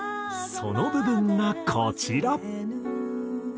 その部分がこちら。